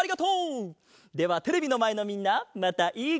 ではテレビのまえのみんなまたいいかげであおう！